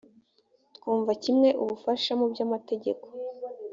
twumva kimwe ubufasha mu by amategeko